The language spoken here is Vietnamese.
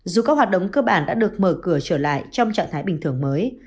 dù các hoạt động cơ bản đã được mở cửa trở lại trong trạng thái bình thường mới